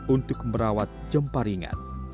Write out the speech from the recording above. untuk merawat jemparingan